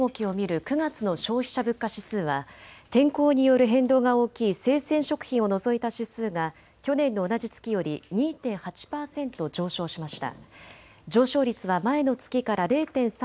家庭で消費するモノやサービスの値動きを見る９月の消費者物価指数は天候による変動が大きい生鮮食品を除いた指数が去年の同じ月より２．８％上昇しました。